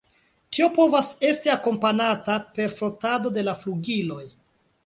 Tio povas esti akompanata per frotado de la flugiloj.